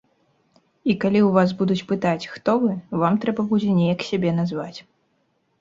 І калі ў вас будуць пытаць, хто вы, вам трэба будзе неяк сябе назваць.